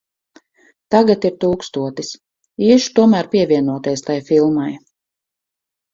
Tagad ir tūkstotis. Iešu tomēr pievienoties tai filmai.